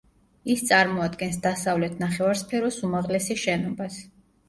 ის წარმოადგენს დასავლეთ ნახევარსფეროს უმაღლესი შენობას.